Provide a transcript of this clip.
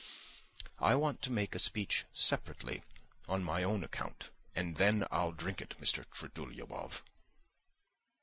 "I want to make a speech separately, on my own account ... and then I'll drink it, Mr. Trudolyubov."